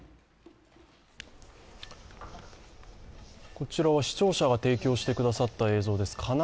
こちらは視聴者が提供してくださった映像です。